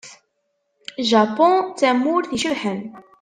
Japun d tamurt icebḥen.